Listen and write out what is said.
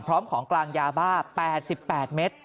พร้อมของกลางยาบ้า๘๘เมตร